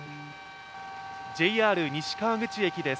ＪＲ西川口駅です。